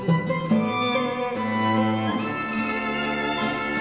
うん。